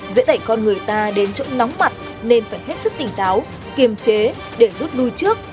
dễ đẩy con người ta đến chỗ nóng mặt nên phải hết sức tỉnh táo kiềm chế để rút lui trước